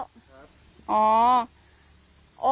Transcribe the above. ไปหลายวันแล้ว